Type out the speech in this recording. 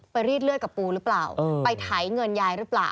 รีดเลือดกับปูหรือเปล่าไปไถเงินยายหรือเปล่า